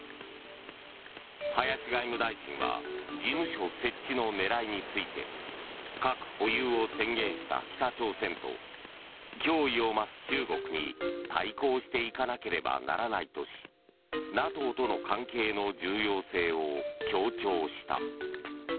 林外務大臣は事務所設置の狙いについて核保有を宣言した北朝鮮と脅威を増す中国に対抗していかなければならないとしＮＡＴＯとの関係の重要性を強調した。